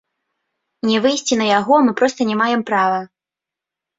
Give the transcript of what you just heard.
Не выйсці на яго мы проста не маем права.